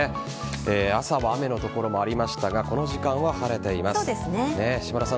朝は雨の所もありましたがこの時間は晴れていますね。